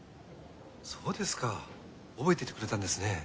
そうですか覚えていてくれたんですね。